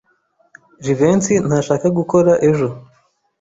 Jivency ntashaka gukora ejo.